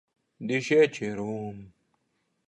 Dišeči rum!